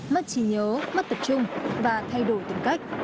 mất trí nhớ mất tập trung và thay đổi từng cách